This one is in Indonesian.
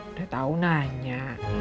udah tahu nanya